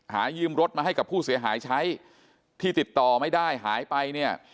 หายืมรถมาให้กับผู้เสียหายใช้ที่ติดต่อไม่ได้หายไปเนี่ย